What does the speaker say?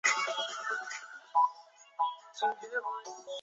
萨达姆侯赛因命令他的安全部队和军队实施了对该村的报复性攻击。